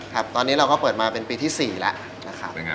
ครับตอนนี้เราก็เปิดมาเป็นปีที่๔แล้วนะครับ